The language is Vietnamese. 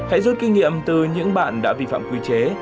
hãy rút kinh nghiệm từ những bạn đã vi phạm quy chế